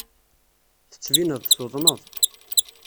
Tettbineḍ-d tuḍneḍ.